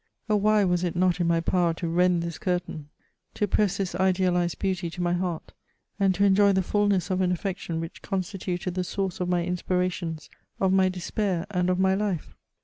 Oh ! why was it not in my power to rend this curtain, to press this idealised beauty to my heart, and to enjoy the fulness of an affec tion which constituted the source of my inspirations, of my despair, and of my life